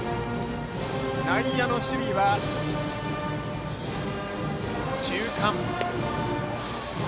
内野の守備は中間。